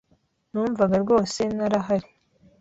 Numvaga rwose narahari.